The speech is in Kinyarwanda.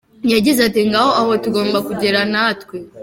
Yagize ati :” Ngaho aho tugomba kugera natwe”.